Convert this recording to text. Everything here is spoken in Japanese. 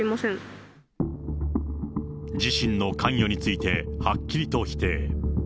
自身の関与について、はっきりと否定。